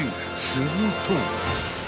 ［すると］